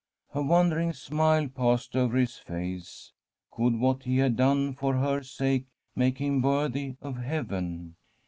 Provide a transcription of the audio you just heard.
* A wondering smile passed over his face. Could what he had done for her sake make him worthy of heaven?